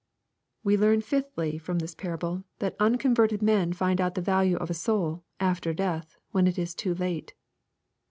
We learn, fifthly, from this parable, that unconverted men find out the value of a soul, after death, when it is too late.